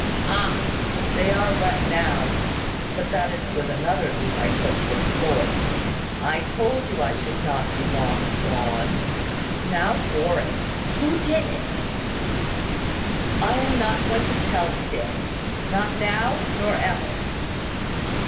Ah! They are wet now; but that is with another leap I took for sport. I told you I should not be long gone. Now for it! Who did it?" "I am not going to tell you, Dale, not now, nor ever."